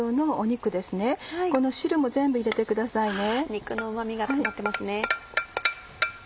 肉のうま味が詰まってますね。